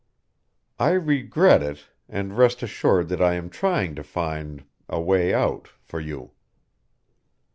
"I regret it and rest assured that I am trying to find a way out for you."